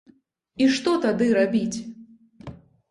І што тады рабіць?